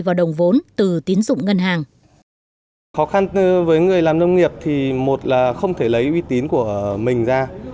vào đồng vốn từ tiến dụng ngân hàng